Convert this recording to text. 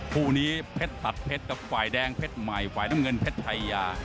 คู่นี้เพชรตัดเพชรกับฝ่ายแดงเพชรใหม่ฝ่ายน้ำเงินเพชรชายา